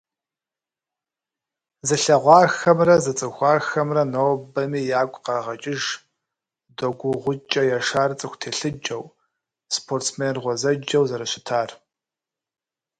Зылъэгъуахэмрэ зыцӀыхуахэмрэ нобэми ягу къагъэкӀыж Догу-ГъукӀэ Яшар цӀыху телъыджэу, спортсмен гъуэзэджэу зэрыщытар.